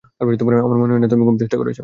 আমার মনে হয় না তুমি খুব চেষ্টা করেছ।